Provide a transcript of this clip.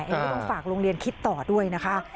อันนี้ก็ต้องฝากโรงเรียนคิดต่อด้วยนะคะ